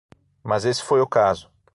Mas esse foi o caso.